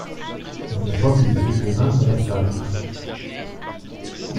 Il n’y a pas que des écrivains dans la salle.